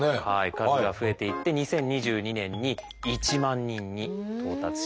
数が増えていって２０２２年に１万人に到達しました。